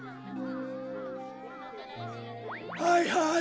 はいはい